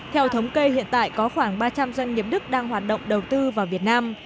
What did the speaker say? theo thống kê hiện tại có khoảng ba trăm linh doanh nghiệp đức đang hoạt động đầu tư vào việt nam